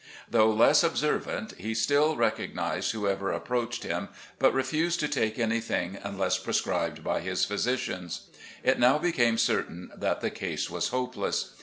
Thotigh less observant, he stiU recognised whoever approached him, but refused to take anything unless prescribed by his physicians. It now became certain that the case was hopeless.